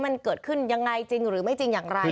มันเกิดขึ้นยังไงจริงหรือไม่จริงอย่างไร